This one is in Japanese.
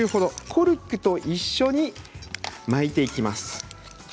コルクと一緒に１０周ほど巻いていきます。